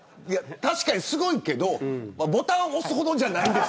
確かにすごいけどボタンを押すほどじゃない。